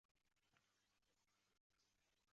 其仅能追诉在此之后所发生的犯罪行为。